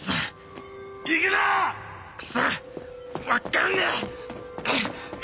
分っかんねえ！